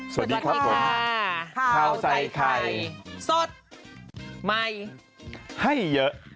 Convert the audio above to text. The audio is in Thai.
สวัสดีครับผมข้าวใส่ไข่สดใหม่ให้เยอะ